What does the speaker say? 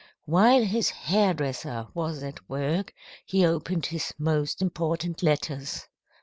"While his hair dresser was at work, he opened his most important letters.